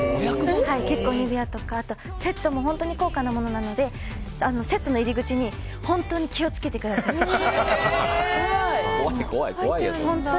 結婚指輪とかセットも本当に高価なものなのでセットの入り口に本当に気を付けてくださいって。